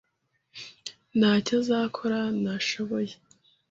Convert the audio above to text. Ntacyo azakora ntashoboye